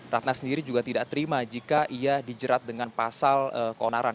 ratna sendiri juga tidak terima jika ia dijerat dengan pasal konaran